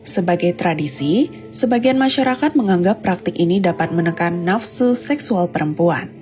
sebagai tradisi sebagian masyarakat menganggap praktik ini dapat menekan nafsu seksual perempuan